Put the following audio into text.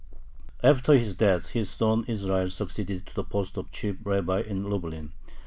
After his death his son Israel succeeded to the post of chief rabbi in Lublin.